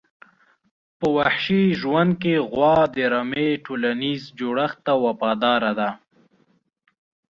په وحشي ژوند کې غوا د رمي ټولنیز جوړښت ته وفاداره ده.